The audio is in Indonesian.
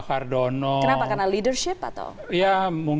hardono kenapa karena leadership atau